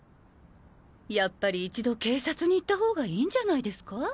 やっぱり一度警察に行ったほうがいいんじゃないですか？